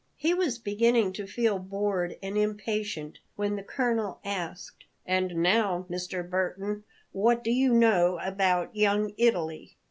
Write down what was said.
He was beginning to feel bored and impatient, when the colonel asked: "And now, Mr. Burton, what do you know about Young Italy?"